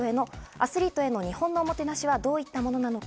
アスリートへの日本のおもてなしはどういったものなのか。